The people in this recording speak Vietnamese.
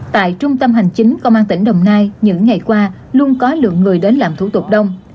tại trung tâm hành chính công an tỉnh đồng nai những ngày qua luôn có lượng người đến làm thủ tục đông